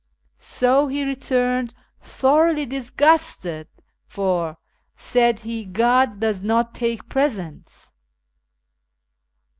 So he returned thoroughly disgusted, ' for,' said he, ' God does not take presents.'